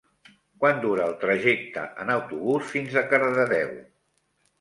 Quant dura el trajecte en autobús fins a Cardedeu?